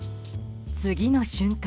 次の瞬間。